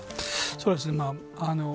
そうですね。